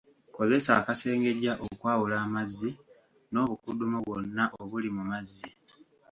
Kozesa akasengejja okwawula amazzi n'obukudumo bwonna obuli mu mazzi.